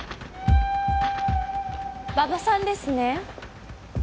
・馬場さんですね？